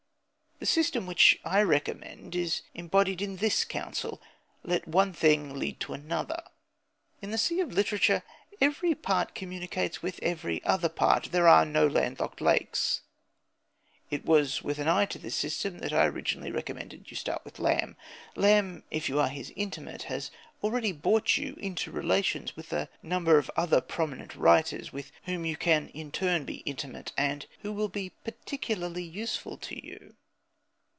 The system which I recommend is embodied in this counsel: Let one thing lead to another. In the sea of literature every part communicates with every other part; there are no land locked lakes. It was with an eye to this system that I originally recommended you to start with Lamb. Lamb, if you are his intimate, has already brought you into relations with a number of other prominent writers with whom you can in turn be intimate, and who will be particularly useful to you.